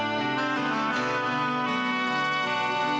gak bakal jadi satu